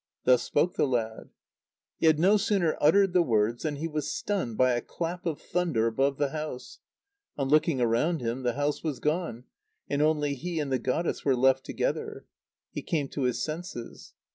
Thus spoke the lad. He had no sooner uttered the words than he was stunned by a clap of thunder above the house. On looking around him, the house was gone, and only he and the goddess were left together. He came to his senses.